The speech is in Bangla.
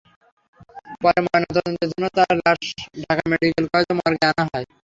পরে ময়নাতদন্তের জন্য তাঁর লাশ ঢাকা মেডিকেল কলেজের মর্গে আনা হয়।